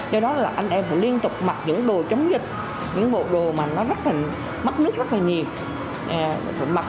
do đó là anh em phải liên tục mặc những đồ chống dịch những bộ đồ mà nó mắc nước rất là nhiều